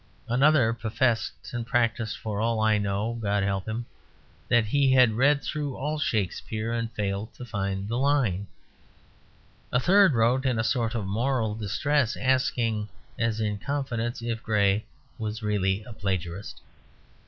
Another professed (and practised, for all I know, God help him) that he had read through all Shakespeare and failed to find the line. A third wrote in a sort of moral distress, asking, as in confidence, if Gray was really a plagiarist.